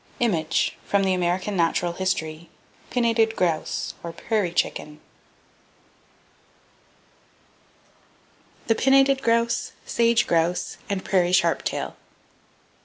[Page 25] From the "American Natural History" PINNATED GROUSE, OR "PRAIRIE CHICKEN" The Pinnated Grouse, Sage Grouse And Prairie Sharp Tail.